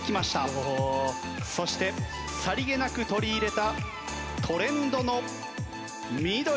そしてさりげなく取り入れたトレンドの緑。